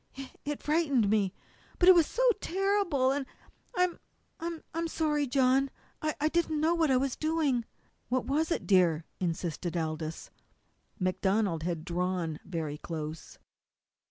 "It it frightened me. But it was so terrible, and I'm I'm sorry, John. I didn't know what I was doing." "What was it, dear?" insisted Aldous. MacDonald had drawn very close.